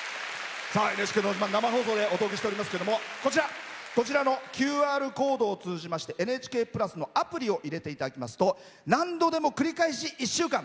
「ＮＨＫのど自慢」生放送でお届けしておりますけれどもこちらのＱＲコードを通じまして「ＮＨＫプラス」のアプリを入れていただきますと何度でも繰り返し１週間